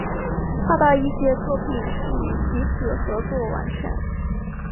他的一些作品是与其子合作完成。